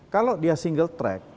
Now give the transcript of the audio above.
kalau dia single track